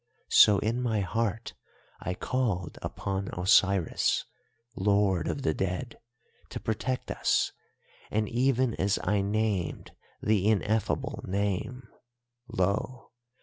So in my heart I called upon Osiris, Lord of the Dead, to protect us, and even as I named the ineffable name, lo!